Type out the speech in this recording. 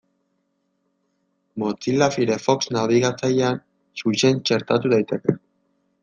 Mozilla Firefox nabigatzailean Xuxen txertatu daiteke.